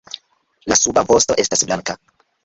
La suba vosto estas blanka.